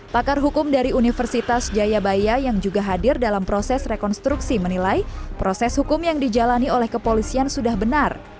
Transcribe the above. pakar hukum dari universitas jayabaya yang juga hadir dalam proses rekonstruksi menilai proses hukum yang dijalani oleh kepolisian sudah benar